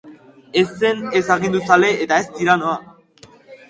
Ez zen ez aginduzale eta ez tiranoa.